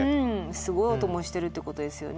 すごい音もしてるってことですよね。